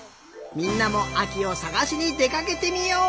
みんなもあきをさがしにでかけてみよう！